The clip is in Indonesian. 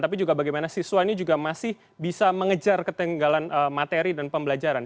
tapi juga bagaimana siswa ini juga masih bisa mengejar ketinggalan materi dan pembelajaran